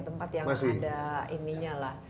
tempat yang ada ininya lah